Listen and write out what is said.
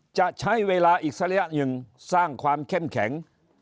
จะใช้เวลาอีกสระยะหนึ่งสร้างความเข้มแข็ง